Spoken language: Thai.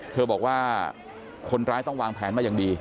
เธอบอกว่าคนร้ายต้องวางแผนมาอย่างดี